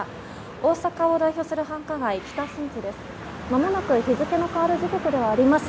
大阪を代表する繁華街北新地です。